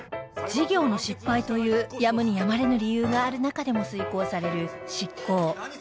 事業の失敗というやむにやまれぬ理由がある中でも遂行される執行